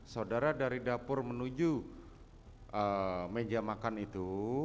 saudara dari dapur menuju meja makan itu